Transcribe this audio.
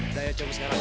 udah ya coba sekarang